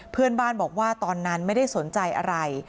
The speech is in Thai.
เพื่อนบ้านบอกว่าตอนนั้นไม่ได้สนใจอะไร